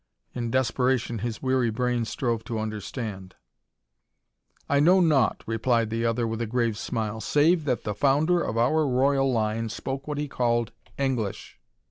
In desperation his weary brain strove to understand. "I know naught," replied the other with a grave smile, "save that the founder of our royal line spoke what he called English.